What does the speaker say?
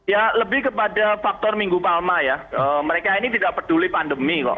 ya lebih kepada faktor minggu palma ya mereka ini tidak peduli pandemi kok